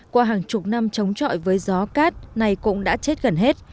qua hàng chục năm chống trọi với gió cát này cũng đã chết gần hết